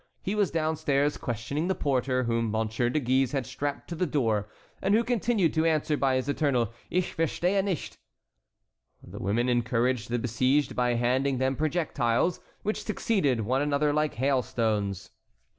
He was downstairs questioning the porter, whom Monsieur de Guise had strapped to the door, and who continued to answer by his eternal "Ich verstehe nicht." The women encouraged the besieged by handing them projectiles, which succeeded one another like hailstones.